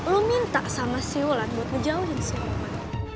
lo minta sama si mulan buat ngejauhin si roman